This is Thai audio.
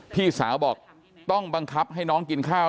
พี่สาวบอกต้องบังคับให้น้องกินข้าว